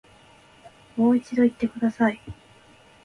もう一度言ってください